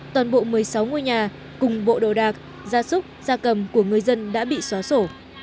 toàn bộ một mươi sáu ngôi nhà cùng bộ đồ đạc gia súc gia cầm của người dân đã bị xóa sổ